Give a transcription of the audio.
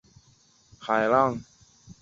而海啸是一种具有强大破坏力的海浪。